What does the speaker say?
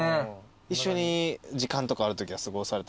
一緒に時間とかあるときは過ごされたりするんですか？